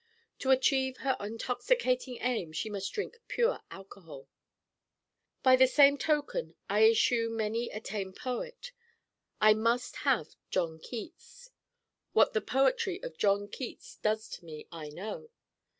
To achieve her intoxicating aim she must drink pure alcohol. By the same token I eschew many a tame poet: I must have John Keats. What the poetry of John Keats does to me I know.